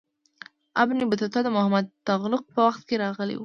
ابن بطوطه د محمد تغلق په وخت کې راغلی و.